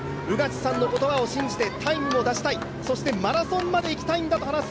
宇賀地さんの言葉を信じてタイムを出したい、そしてマラソンまでいきたいんだとはなす